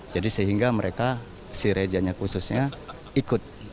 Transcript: jadi sehingga mereka si rejanya khususnya ikut